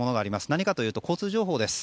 何かというと交通情報です。